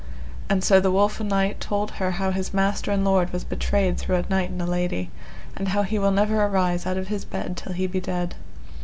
And so the woful knight told her how his master and lord was betrayed through a knight and lady, and how he will never arise out of his bed till he be dead.